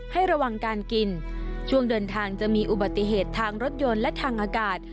ให้ระวังการกินช่วงเดินทางจะมีอุบัติเหตุทางรถยนต์และทางอากาศ